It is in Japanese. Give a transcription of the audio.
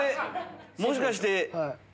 もしかして。